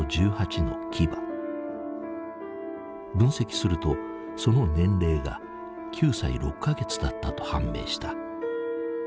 分析するとその年齢が９歳６か月だったと判明した。